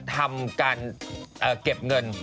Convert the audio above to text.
ทำการเก็บเงิน